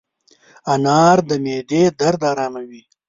انار د معدې درد اراموي.